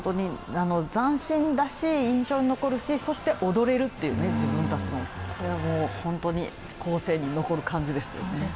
斬新だし、印象に残るし、そして踊れるっていう自分たちも本当に後世に残る感じですよね。